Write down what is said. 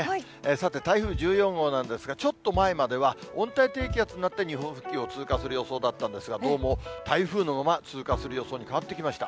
さて、台風１４号なんですが、ちょっと前までは、温帯低気圧になって、日本付近を通過する予想だったんですが、どうも台風のまま通過する予想に変わってきました。